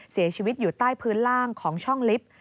เสียชีวิตอยู่ใต้พื้นล่างของช่องลิฟต์